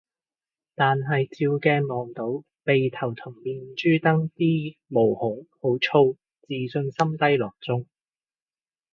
但係照鏡望到鼻頭同面珠墩啲毛孔好粗，自信心低落中